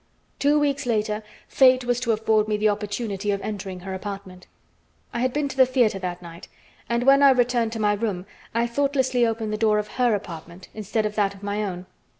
Two weeks later, fate was to afford me the opportunity of entering her apartment. I had been to the theater that night, and when I returned to my room I thoughtlessly opened the door of her apartment instead of that of my own.